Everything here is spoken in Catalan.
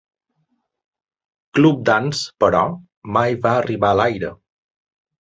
"Club Dance", però, mai va arribar a l'aire.